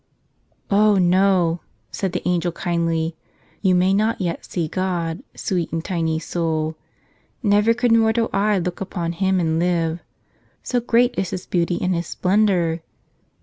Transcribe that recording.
"Oh, no!" said the angel kindly. "You may not yet see God, sweet and tiny soul. Never could mortal eye look upon Him and live, so great is His beauty and His splendor.